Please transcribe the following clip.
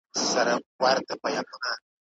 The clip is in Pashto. سیاسي ګوندونه باید د ملت په خیر کار وکړي.